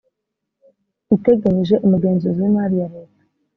itegenyije umugenzuzi w imari ya leta